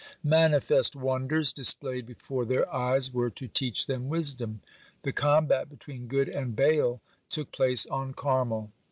Manifest wonders displayed before their eyes were to teach them wisdom. The combat between God and Baal took place on Carmel.